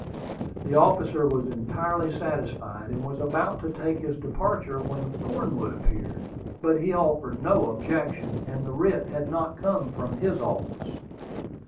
The officer was entirely satisfied, and was about to take his departure when Cornwood appeared; but he offered no objection, and the writ had not come from his office.